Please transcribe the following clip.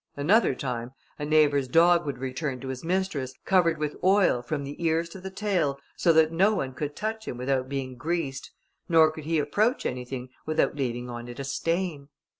Another time, a neighbour's dog would return to his mistress, covered with oil, from the ears to the tail, so that no one could touch him without being greased, nor could he approach anything without leaving on it a stain.